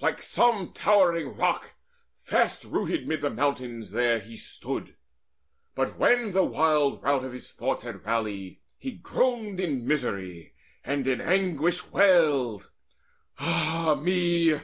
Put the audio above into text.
Like some towering rock Fast rooted mid the mountains, there he stood. But when the wild rout of his thoughts had rallied, He groaned in misery, and in anguish wailed: "Ah me!